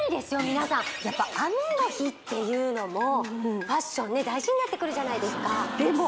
皆さん雨の日っていうのもファッションね大事になってくるじゃないですかでも